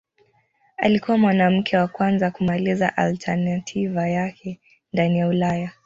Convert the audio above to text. Alikuwa mwanamke wa kwanza kumaliza alternativa yake ndani ya Ulaya.